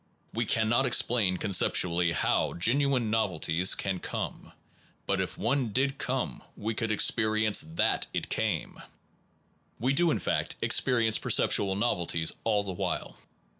We cannot explain con ceptually how genuine novelties can come; but if one did come we could experience that it came. 140 THE ONE AND THE MANY i We do, in fact, experience perceptual novelties all the while.